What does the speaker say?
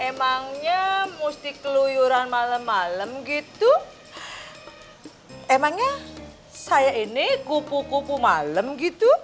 emangnya emangnya mustique luyuran malem malem gitu emangnya saya ini kupu kupu malem gitu